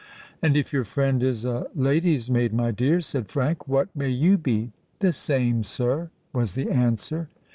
"And if your friend is a lady's maid, my dear," said Frank, "what may you be?" "The same, sir," was the answer.